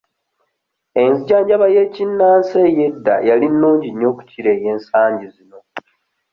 Enzijanjaba y'ekinnansi ey'edda yali nnungi okukira ey'ensangi zino.